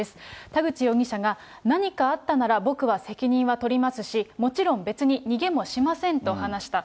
田口容疑者が、何かあったなら僕は責任は取りますし、もちろん、別に逃げもしませんと話した。